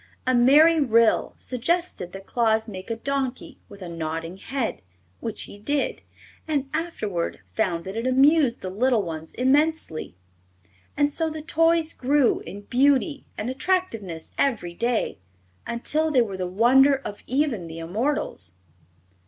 A merry Ryl suggested that Claus make a donkey with a nodding head, which he did, and afterward found that it amused the little ones immensely. And so the toys grew in beauty and attractiveness every day, until they were the wonder of even the immortals.